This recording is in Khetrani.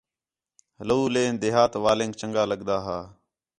لَولے دیہاتیک والینک چَنڳا لڳدا ہا